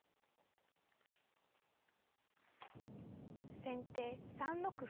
先手３六歩。